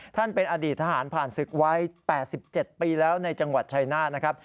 ท่านเป็นอดีตทหารผ่านศึกไว้๘๗ปีแล้วในจังหวัดชายนาฏนะครับ